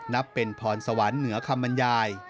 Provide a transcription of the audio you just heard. นับเป็นพรสวรรค์เหนือคำบรรยาย